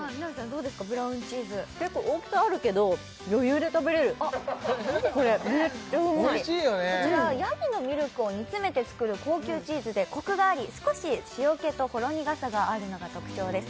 どうですかブラウンチーズ結構大きさあるけど余裕で食べれるめっちゃうまいおいしいよねこちらヤギのミルクを煮詰めて作る高級チーズでコクがあり少し塩気とほろ苦さがあるのが特徴です